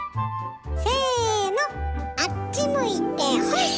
せのあっち向いてホイ！